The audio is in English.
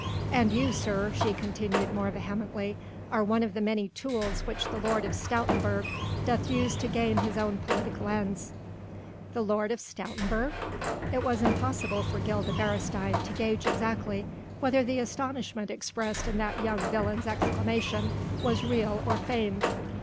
"And you, sir," she continued more vehemently, "are one of the many tools which the Lord of Stoutenburg doth use to gain his own political ends." "The Lord of Stoutenburg?" It was impossible for Gilda Beresteyn to gauge exactly whether the astonishment expressed in that young villain's exclamation was real or feigned.